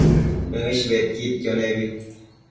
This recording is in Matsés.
Nëish bedquidquio nebi